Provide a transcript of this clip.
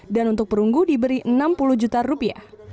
dan untuk perunggu diberi enam puluh juta rupiah